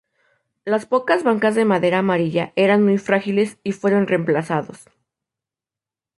Las pocas bancas de madera amarilla eran muy frágiles y fueron reemplazados.